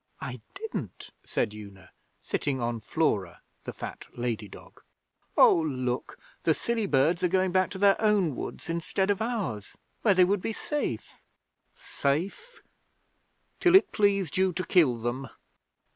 'I didn't,' said Una, sitting on Flora, the fat lady dog. 'Oh, look! The silly birds are going back to their own woods instead of ours, where they would be safe.' 'Safe till it pleased you to kill them.'